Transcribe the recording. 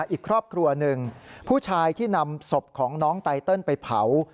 อีกครอบครัวหนึ่งผู้ชายที่นำศพของน้องไตเติลไปเผา